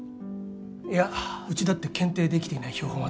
いやうちだって検定できていない標本はたくさんある。